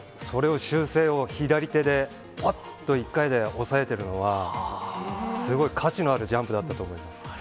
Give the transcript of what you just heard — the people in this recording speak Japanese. それを修正を、左手でおっと１回で抑えてるのはすごい、価値のあるジャンプだったと思います。